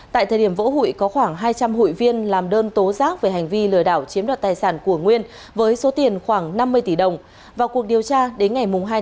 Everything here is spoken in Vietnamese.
tại thời điểm vỡ hụi có khoảng hai trăm linh hụi viên làm đơn tố giác về hành vi lừa đảo chiếm đoạt tài sản